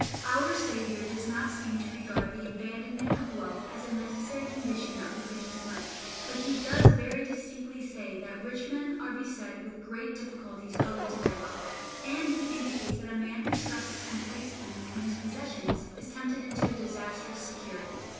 Our Saviour does not seem to regard the abandonment of wealth as a necessary condition of the Christian life, but He does very distinctly say that rich men are beset with great difficulties owing to their wealth, and He indicates that a man who trusts complacently in his possessions is tempted into a disastrous security.